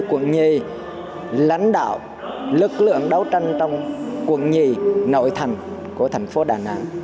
quận nhì lãnh đạo lực lượng đấu tranh trong quận nhì nội thành của thành phố đà nẵng